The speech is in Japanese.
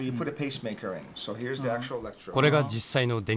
これが実際の電極です。